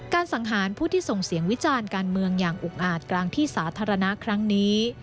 สังหารผู้ที่ส่งเสียงวิจารณ์การเมืองอย่างอุกอาจกลางที่สาธารณะครั้งนี้